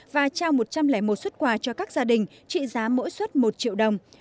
và trao một trăm linh một xuất quà cho các gia đình trị giá mỗi xuất một triệu đồng